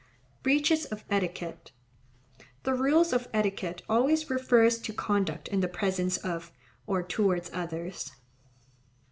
Breaches of etiquette.—The rules of etiquette always refer to conduct in the presence of, or towards others.